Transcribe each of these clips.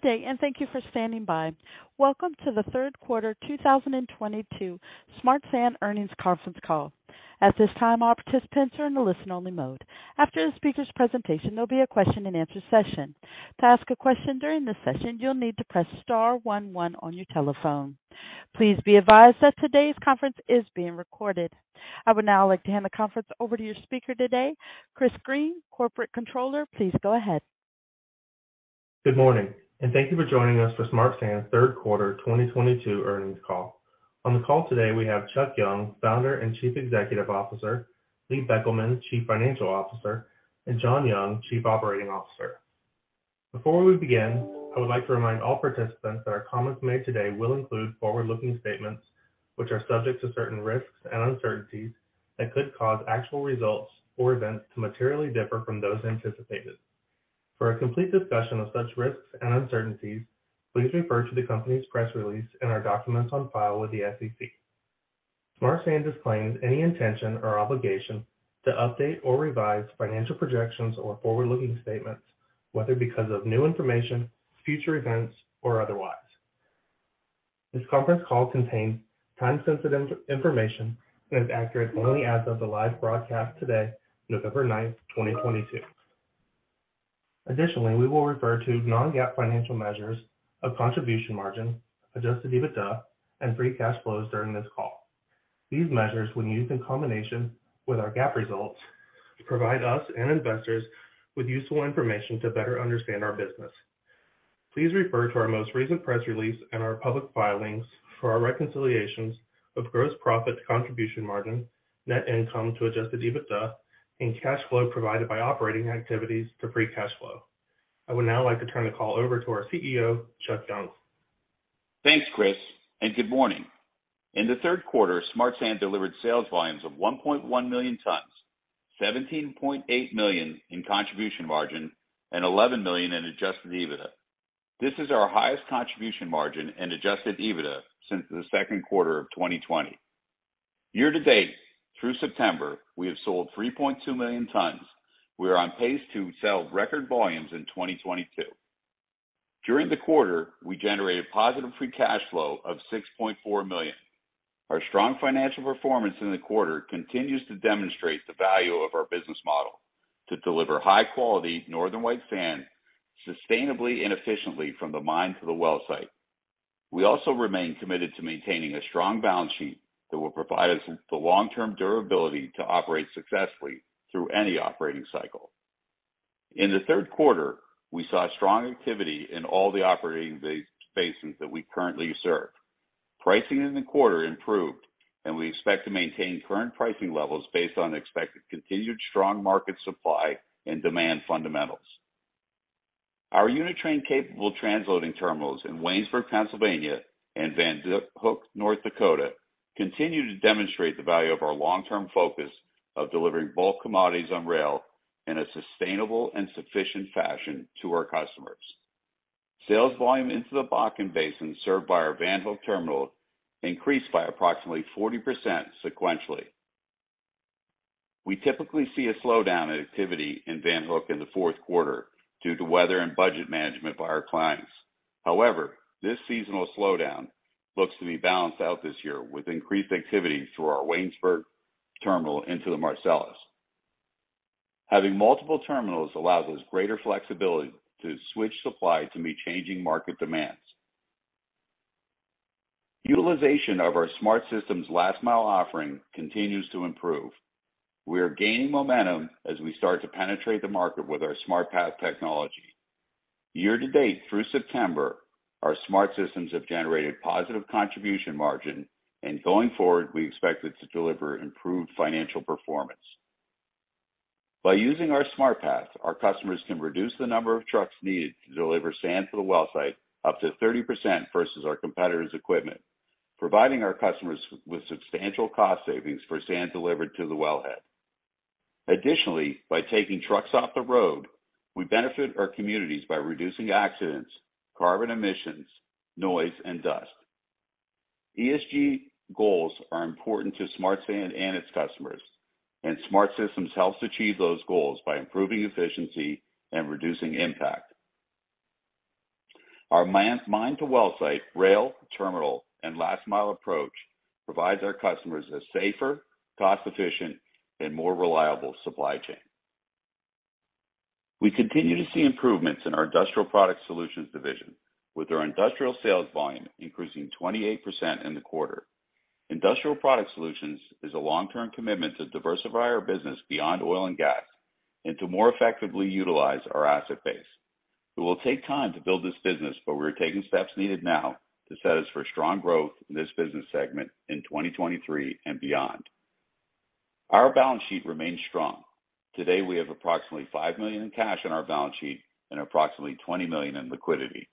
Good day, and thank you for standing by. Welcome to the third quarter 2022 Smart Sand Earnings Conference Call. At this time, all participants are in a listen-only mode. After the speaker's presentation, there'll be a question-and-answer session. To ask a question during this session, you'll need to press star one one on your telephone. Please be advised that today's conference is being recorded. I would now like to hand the conference over to your speaker today, Chris Green, Corporate Controller. Please go ahead. Good morning, and thank you for joining us for Smart Sand's third quarter 2022 earnings call. On the call today, we have Chuck Young, Founder and Chief Executive Officer, Lee Beckelman, Chief Financial Officer, and John Young, Chief Operating Officer. Before we begin, I would like to remind all participants that our comments made today will include forward-looking statements which are subject to certain risks and uncertainties that could cause actual results or events to materially differ from those anticipated. For a complete discussion of such risks and uncertainties, please refer to the company's press release and our documents on file with the SEC. Smart Sand disclaims any intention or obligation to update or revise financial projections or forward-looking statements, whether because of new information, future events, or otherwise. This conference call contains time-sensitive information and is accurate only as of the live broadcast today, November 9th, 2022. Additionally, we will refer to non-GAAP financial measures of contribution margin, adjusted EBITDA, and free cash flows during this call. These measures, when used in combination with our GAAP results, provide us and investors with useful information to better understand our business. Please refer to our most recent press release and our public filings for our reconciliations of gross profit to contribution margin, net income to adjusted EBITDA, and cash flow provided by operating activities to free cash flow. I would now like to turn the call over to our CEO, Chuck Young. Thanks, Chris, and good morning. In the third quarter, Smart Sand delivered sales volumes of 1.1 million tons, $17.8 million in contribution margin, and $11 million in adjusted EBITDA. This is our highest contribution margin and adjusted EBITDA since the second quarter of 2020. Year-to-date, through September, we have sold 3.2 million tons. We are on pace to sell record volumes in 2022. During the quarter, we generated positive free cash flow of $6.4 million. Our strong financial performance in the quarter continues to demonstrate the value of our business model to deliver high-quality Northern White sand sustainably and efficiently from the mine to the well site. We also remain committed to maintaining a strong balance sheet that will provide us with the long-term durability to operate successfully through any operating cycle. In the third quarter, we saw strong activity in all the operating basins that we currently serve. Pricing in the quarter improved, and we expect to maintain current pricing levels based on expected continued strong market supply and demand fundamentals. Our unit train-capable transloading terminals in Waynesburg, Pennsylvania, and Van Hook, North Dakota, continue to demonstrate the value of our long-term focus of delivering bulk commodities on rail in a sustainable and sufficient fashion to our customers. Sales volume into the Bakken basin served by our Van Hook terminal increased by approximately 40% sequentially. We typically see a slowdown in activity in Van Hook in the fourth quarter due to weather and budget management by our clients. However, this seasonal slowdown looks to be balanced out this year with increased activity through our Waynesburg terminal into the Marcellus. Having multiple terminals allows us greater flexibility to switch supply to meet changing market demands. Utilization of our Smart Systems last-mile offering continues to improve. We are gaining momentum as we start to penetrate the market with our SmartPath technology. Year-to-date, through September, our Smart Systems have generated positive contribution margin, and going forward, we expect it to deliver improved financial performance. By using our SmartPath, our customers can reduce the number of trucks needed to deliver sand to the well site up to 30% versus our competitors' equipment, providing our customers with substantial cost savings for sand delivered to the wellhead. Additionally, by taking trucks off the road, we benefit our communities by reducing accidents, carbon emissions, noise, and dust. ESG goals are important to Smart Sand and its customers, and Smart Systems helps achieve those goals by improving efficiency and reducing impact. Our mine-to-well site, rail, terminal, and last-mile approach provides our customers a safer, cost-efficient, and more reliable supply chain. We continue to see improvements in our Industrial Product Solutions division, with our industrial sales volume increasing 28% in the quarter. Industrial Product Solutions is a long-term commitment to diversify our business beyond oil and gas and to more effectively utilize our asset base. It will take time to build this business, but we're taking steps needed now to set us for strong growth in this business segment in 2023 and beyond. Our balance sheet remains strong. Today, we have approximately $5 million in cash on our balance sheet and approximately $20 million in liquidity.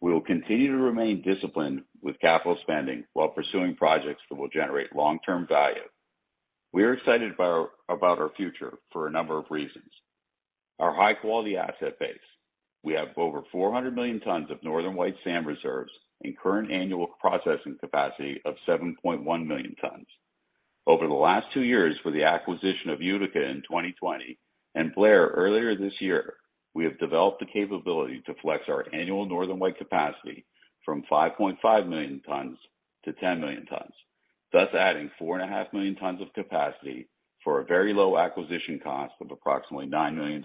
We will continue to remain disciplined with capital spending while pursuing projects that will generate long-term value. We are excited about our future for a number of reasons. Our high-quality asset base. We have over 400 million tons of Northern White sand reserves and current annual processing capacity of 7.1 million tons. Over the last two years for the acquisition of Utica in 2020 and Blair earlier this year, we have developed the capability to flex our annual Northern White capacity from 5.5 million tons to 10 million tons, thus adding 4.5 million tons of capacity for a very low acquisition cost of approximately $9 million.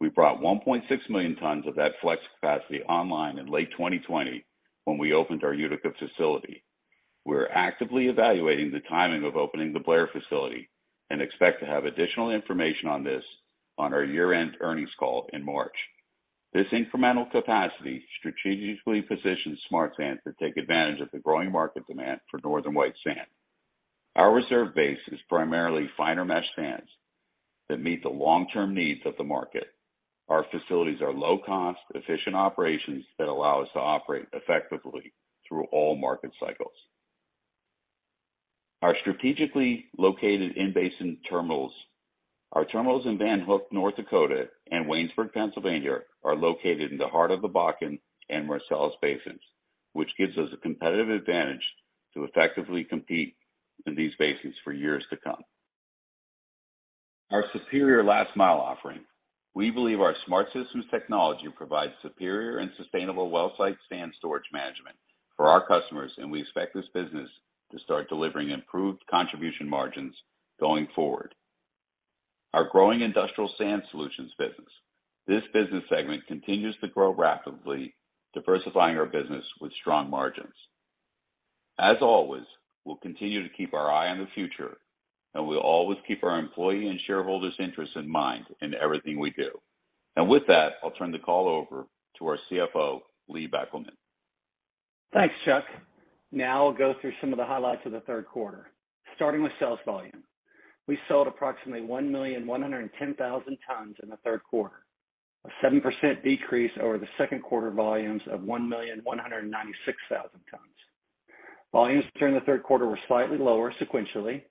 We brought 1.6 million tons of that flex capacity online in late 2020 when we opened our Utica facility. We're actively evaluating the timing of opening the Blair facility and expect to have additional information on this on our year-end earnings call in March. This incremental capacity strategically positions Smart Sand to take advantage of the growing market demand for Northern White sand. Our reserve base is primarily finer mesh sands that meet the long-term needs of the market. Our facilities are low cost, efficient operations that allow us to operate effectively through all market cycles. Our strategically-located in-basin terminals. Our terminals in Van Hook, North Dakota, and Waynesburg, Pennsylvania, are located in the heart of the Bakken and Marcellus basins, which gives us a competitive advantage to effectively compete in these basins for years to come. Our superior last-mile offering. We believe our SmartSystem technology provides superior and sustainable well site sand storage management for our customers, and we expect this business to start delivering improved contribution margins going forward. Our growing Industrial Product Solutions business. This business segment continues to grow rapidly, diversifying our business with strong margins. As always, we'll continue to keep our eye on the future, and we'll always keep our employee and shareholders interests in mind in everything we do. With that, I'll turn the call over to our CFO, Lee Beckelman. Thanks, Chuck. Now I'll go through some of the highlights of the third quarter. Starting with sales volume. We sold approximately 1,110,000 tons in the third quarter, a 7% decrease over the second quarter volumes of 1,196,000 tons. Volumes during the third quarter were slightly lower sequentially,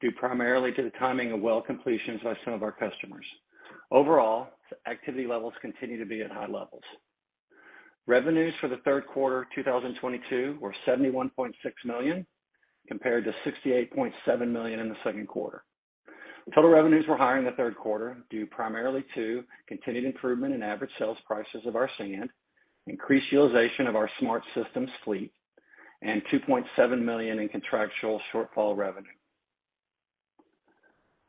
due primarily to the timing of well completions by some of our customers. Overall, activity levels continue to be at high levels. Revenues for the third quarter 2022 were $71.6 million, compared to $68.7 million in the second quarter. Total revenues were higher in the third quarter, due primarily to continued improvement in average sales prices of our sand, increased utilization of our SmartSystems fleet, and $2.7 million in contractual shortfall revenue.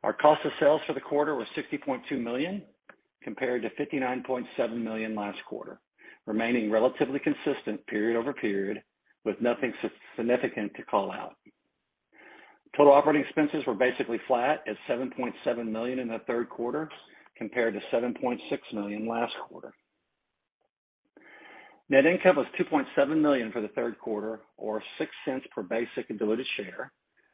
Our cost of sales for the quarter was $60.2 million, compared to $59.7 million last quarter, remaining relatively consistent period-over-period with nothing significant to call out. Total operating expenses were basically flat at $7.7 million in the third quarter, compared to $7.6 million last quarter. Net income was $2.7 million for the third quarter or $0.06 per basic and diluted share,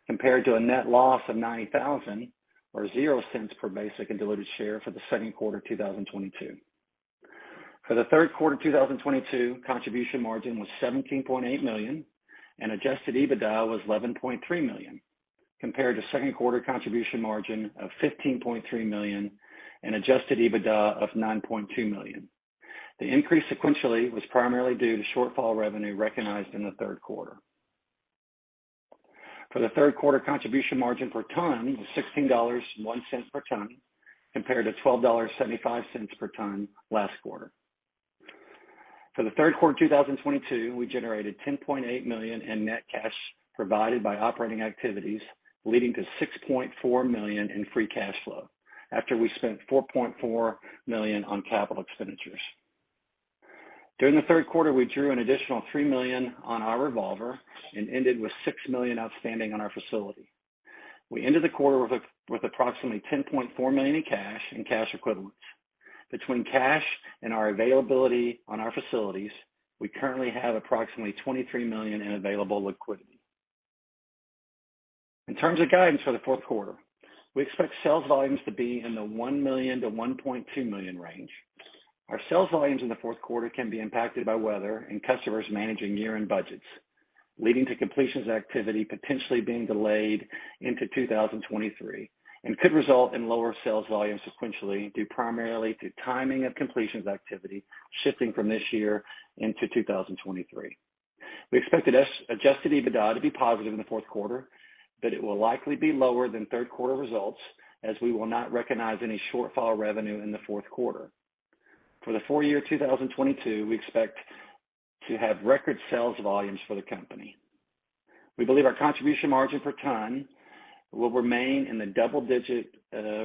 compared to a net loss of $[90,000] or $0.00 per basic and diluted share for the second quarter 2022. For the third quarter 2022, contribution margin was $17.8 million and adjusted EBITDA was $11.3 million, compared to second quarter contribution margin of $15.3 million and adjusted EBITDA of $9.2 million. The increase sequentially was primarily due to shortfall revenue recognized in the third quarter. For the third quarter contribution margin per ton was $16.01 per ton, compared to $12.75 per ton last quarter. For the third quarter 2022, we generated $10.8 million in net cash provided by operating activities, leading to $6.4 million in free cash flow after we spent $4.4 million on capital expenditures. During the third quarter, we drew an additional $3 million on our revolver and ended with $6 million outstanding on our facility. We ended the quarter with approximately $10.4 million in cash and cash equivalents. Between cash and our availability on our facilities, we currently have approximately $23 million in available liquidity. In terms of guidance for the fourth quarter, we expect sales volumes to be in the 1 million-1.2 million range. Our sales volumes in the fourth quarter can be impacted by weather and customers managing year-end budgets, leading to completions activity potentially being delayed into 2023 and could result in lower sales volumes sequentially, due primarily to timing of completions activity shifting from this year into 2023. We expect adjusted EBITDA to be positive in the fourth quarter, but it will likely be lower than third quarter results as we will not recognize any shortfall revenue in the fourth quarter. For the full year 2022, we expect to have record sales volumes for the company. We believe our contribution margin per ton will remain in the double-digit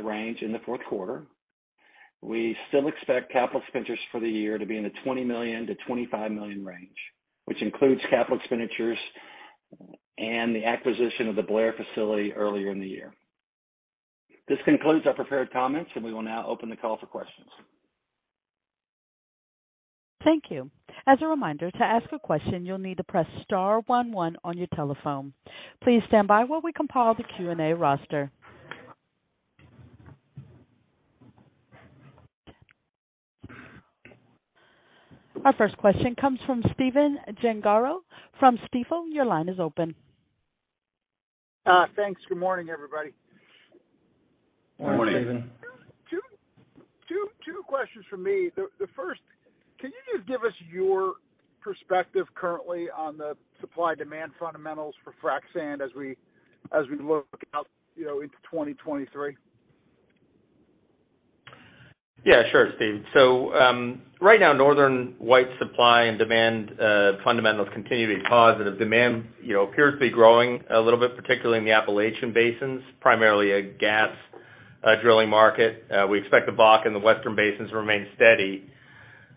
range in the fourth quarter. We still expect capital expenditures for the year to be in the $20 million-$25 million range, which includes capital expenditures and the acquisition of the Blair facility earlier in the year. This concludes our prepared comments, and we will now open the call for questions. Thank you. As a reminder, to ask a question, you'll need to press star one one on your telephone. Please stand by while we compile the Q&A roster. Our first question comes from Stephen Gengaro from Stifel. Your line is open. Thanks. Good morning, everybody. Good morning. Two questions from me. The first, can you just give us your perspective currently on the supply demand fundamentals for frac sand as we look out, you know, into 2023? Yeah, sure, Steven. Right now, Northern White supply and demand fundamentals continue to be positive. Demand, you know, appears to be growing a little bit, particularly in the Appalachian basins, primarily a gas drilling market. We expect the Bakken and the western basins to remain steady,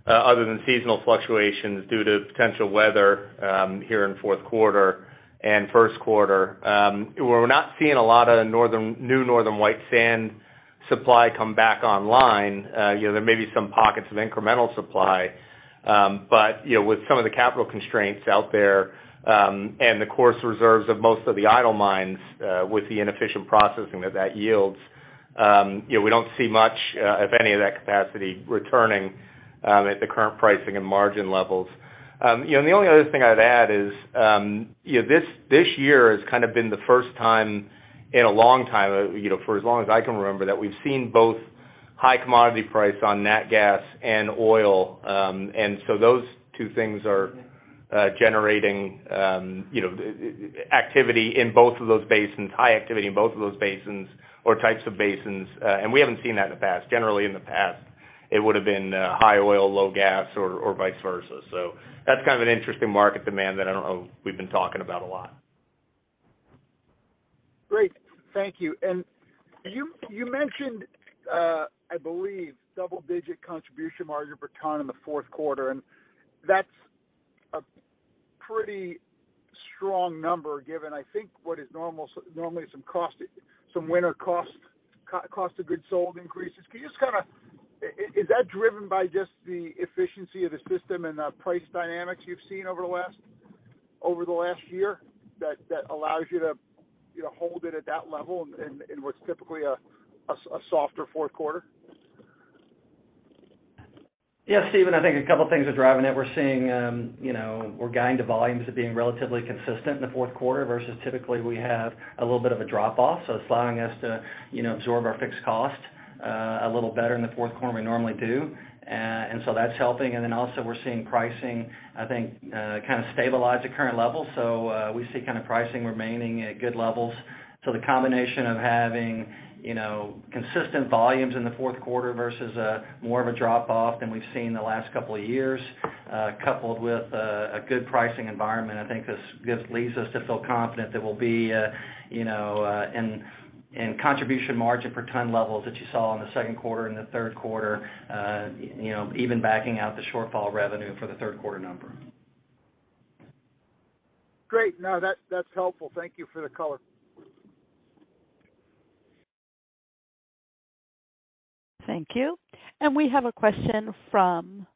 other than seasonal fluctuations due to potential weather, here in fourth quarter and first quarter. We're not seeing a lot of new Northern White sand supply come back online. You know, there may be some pockets of incremental supply. But, you know, with some of the capital constraints out there, and the coarse reserves of most of the idle mines, with the inefficient processing that yields, you know, we don't see much, if any of that capacity returning, at the current pricing and margin levels. You know, the only other thing I'd add is, you know, this year has kind of been the first time in a long time, you know, for as long as I can remember, that we've seen both high commodity price on nat gas and oil. Those two things are generating, you know, activity in both of those basins, high activity in both of those basins or types of basins. We haven't seen that in the past. Generally in the past, it would have been high oil, low gas or vice versa. That's kind of an interesting market demand that I don't know we've been talking about a lot. Great. Thank you. You mentioned, I believe, double-digit contribution margin per ton in the fourth quarter. That's a pretty strong number given, I think, normally some winter cost of goods sold increases. Can you just kinda. Is that driven by just the efficiency of the system and the price dynamics you've seen over the last year that allows you to, you know, hold it at that level in what's typically a softer fourth quarter? Yeah, Stephen, I think a couple things are driving it. We're seeing, you know, we're guiding the volumes of being relatively consistent in the fourth quarter versus typically we have a little bit of a drop off. It's allowing us to, you know, absorb our fixed cost a little better in the fourth quarter than we normally do. That's helping. We're seeing pricing, I think, kind of stabilize at current levels. We see kind of pricing remaining at good levels. The combination of having, you know, consistent volumes in the fourth quarter versus more of a drop off than we've seen in the last couple of years, coupled with a good pricing environment, I think this leads us to feel confident that we'll be, you know, in contribution margin per ton levels that you saw in the second quarter and the third quarter, you know, even backing out the shortfall revenue for the third quarter number. Great. No, that's helpful. Thank you for the color. Thank you. We have a question from,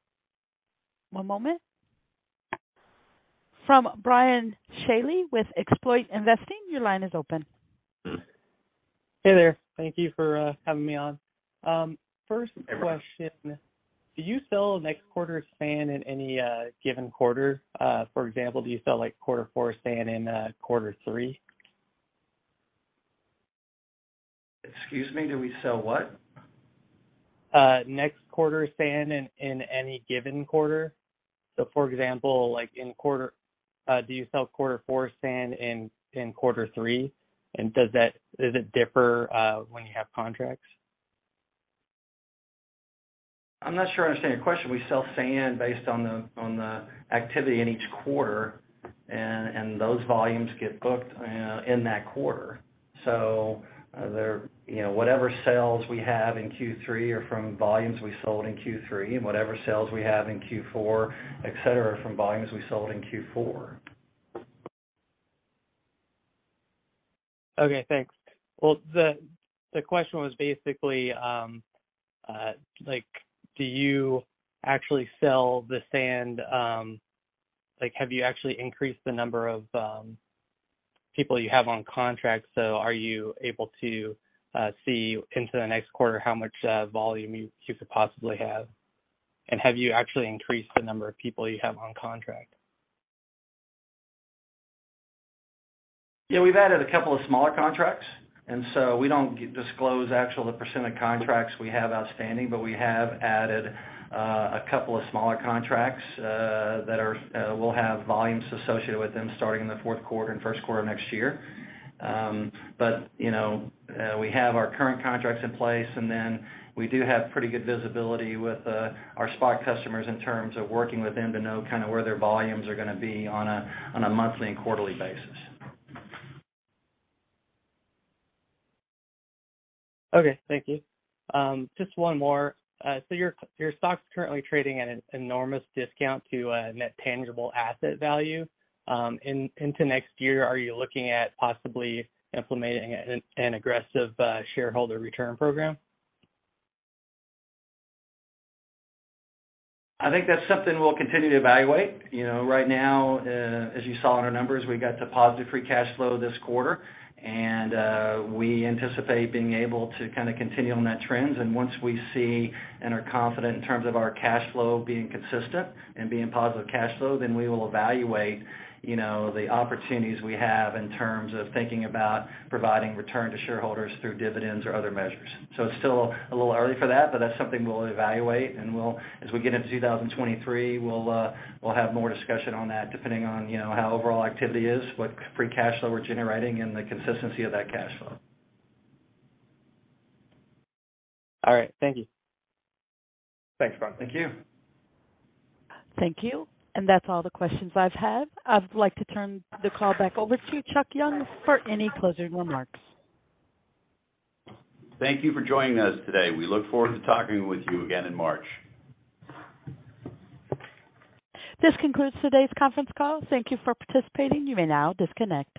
one moment, from [Brian Shelley] with Exploit Investing. Your line is open. Hey there. Thank you for having me on. First question. Do you sell next quarter sand in any given quarter? For example, do you sell like quarter four sand in quarter three? Excuse me, do we sell what? Next quarter sand in any given quarter. For example, like in quarter, do you sell quarter four sand in quarter three, and does it differ when you have contracts? I'm not sure I understand your question. We sell sand based on the activity in each quarter and those volumes get booked in that quarter. So they're, you know, whatever sales we have in Q3 are from volumes we sold in Q3, and whatever sales we have in Q4, et cetera, are from volumes we sold in Q4. Okay, thanks. Well, the question was basically, like, do you actually sell the sand? Like, have you actually increased the number of people you have on contract? Are you able to see into the next quarter how much volume you could possibly have? Have you actually increased the number of people you have on contract? Yeah, we've added a couple of smaller contracts. We don't disclose the actual percent of contracts we have outstanding, but we have added a couple of smaller contracts that will have volumes associated with them starting in the fourth quarter and first quarter next year. You know, we have our current contracts in place, and then we do have pretty good visibility with our spot customers in terms of working with them to know kind of where their volumes are gonna be on a monthly and quarterly basis. Okay, thank you. Just one more. Your stock's currently trading at an enormous discount to a net tangible asset value. Into next year, are you looking at possibly implementing an aggressive shareholder return program? I think that's something we'll continue to evaluate. You know, right now, as you saw in our numbers, we got to positive free cash flow this quarter. We anticipate being able to kind of continue on that trends. Once we see and are confident in terms of our cash flow being consistent and being positive cash flow, then we will evaluate, you know, the opportunities we have in terms of thinking about providing return to shareholders through dividends or other measures. It's still a little early for that, but that's something we'll evaluate. We'll as we get into 2023, we'll have more discussion on that depending on, you know, how overall activity is, what free cash flow we're generating, and the consistency of that cash flow. All right. Thank you. Thanks, Brian. Thank you. Thank you. That's all the questions I've had. I'd like to turn the call back over to you, Chuck Young, for any closing remarks. Thank you for joining us today. We look forward to talking with you again in March. This concludes today's conference call. Thank you for participating. You may now disconnect.